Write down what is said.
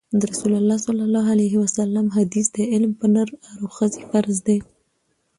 د رسول الله ﷺ حدیث دی: علم پر نر او ښځي فرض دی